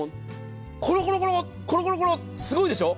コロコロコロすごいでしょ？